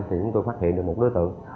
chúng tôi phát hiện được một đối tượng